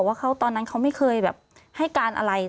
พี่เรื่องมันยังไงอะไรยังไง